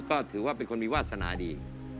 ก็ถือว่าเป็นคนมีวาสนาดี